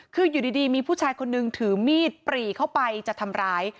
คืออยู่ดีมีผู้ชายคนนึงถือมีดปรีเข้าไปจะทำร้าย